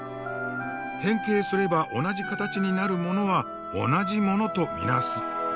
変形すれば同じ形になるものは同じものと見なす。